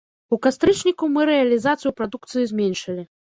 У кастрычніку мы рэалізацыю прадукцыі зменшылі.